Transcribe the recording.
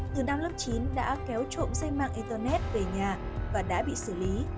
từ năm lớp chín đã kéo trộm dây mạng internet về nhà và đã bị xử lý